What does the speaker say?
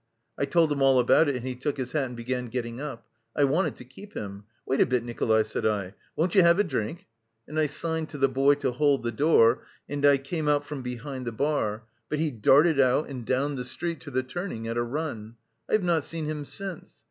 I told him all about it and he took his hat and began getting up. I wanted to keep him. "Wait a bit, Nikolay," said I, "won't you have a drink?" And I signed to the boy to hold the door, and I came out from behind the bar; but he darted out and down the street to the turning at a run. I have not seen him since.